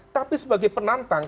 tapi sebagai penantang